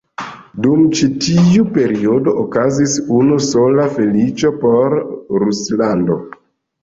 Dum ĉi tiu periodo okazis unu sola feliĉo por Ruslando.